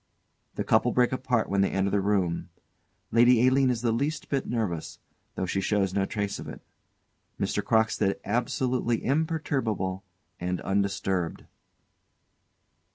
_ The couple break apart when they enter the room; LADY ALINE is the least bit nervous, though she shows no trace of it; MR. CROCKSTEAD _absolutely imperturbable and undisturbed.